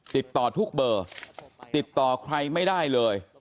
ติดต่อทุกเบอร์ติดต่อใครไม่ได้เลย